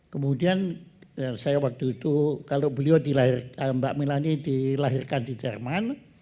kemudian saya waktu itu kalau beliau mbak melani dilahirkan di jerman